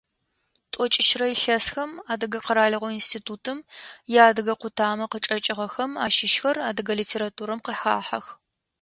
Тӏокӏищрэ илъэсхэм Адыгэ къэралыгъо институтым иадыгэ къутамэ къычӏэкӏыгъэхэм ащыщхэр адыгэ литературэм къыхахьэх.